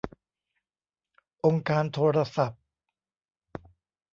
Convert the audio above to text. องค์การโทรศัพท์